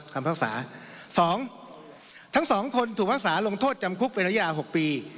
คำภาษา๒ทั้ง๒คนถูกภาษาลงโทษจำคุกเป็นระยะ๖ปี